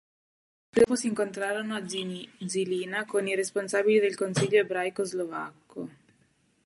Quattro giorni dopo s'incontrarono a Žilina con i responsabili del consiglio ebraico slovacco.